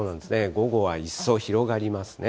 午後は一層広がりますね。